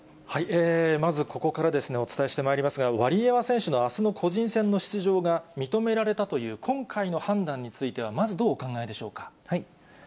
まずここからお伝えしてまいりますが、ワリエワ選手のあすの個人戦の出場が認められたという今回の判断についてはまずどうお考えでしょうか。